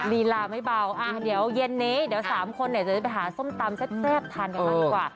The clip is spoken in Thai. ลีลาไม่เบาเดี๋ยวเย็นนี้เดี๋ยว๓คนจะได้ไปหาส้มตำแซ่บทานกันบ้างดีกว่า